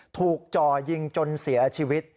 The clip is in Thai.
จ่อยิงจนเสียชีวิต